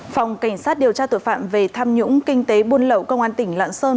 phòng cảnh sát điều tra tội phạm về tham nhũng kinh tế buôn lậu công an tỉnh lạng sơn